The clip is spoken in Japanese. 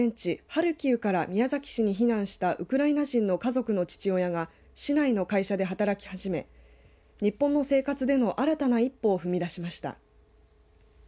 ハルキウから宮崎市に避難したウクライナ人の家族の父親が市内の会社で働き始め日本の生活での新たな一歩を踏み出しました。